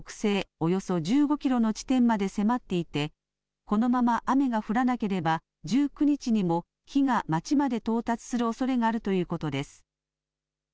およそ１５キロの地点まで迫っていてこのまま雨が降らなければ１９日にも火が町まで到達するおそれがあるということです。